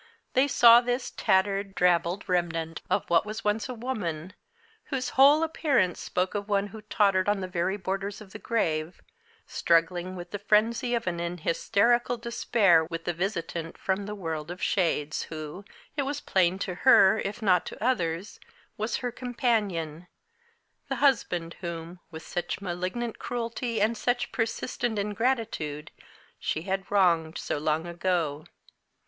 They saw this tattered, drabbled remnant of what was once a woman, whose whole appearance spoke of one who tottered on the very borders of the grave, struggling with the frenzy of an hysterical despair with the visitant from the world of shades who, it was plain to her, if not to others, was her companion the husband whom, with such malignant cruelty and such persistent ingratitude, she had wronged so long ago.